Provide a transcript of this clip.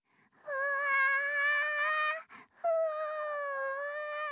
うわ。